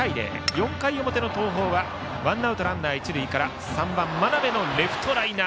４回表の東邦高校はワンアウトランナー、一塁から３番、眞邉のレフトライナー。